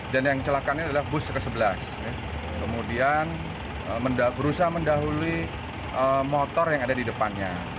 dan yang celakannya adalah bus ke sebelas kemudian berusaha mendahului motor yang ada di depannya